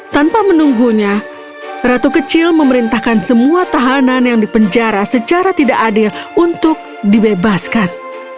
tanpa menunggunya ratu kecil memerintahkan semua tahanan yang dipenjara secara tidak adil untuk dibebaskan